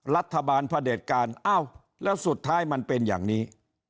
พระเด็จการอ้าวแล้วสุดท้ายมันเป็นอย่างนี้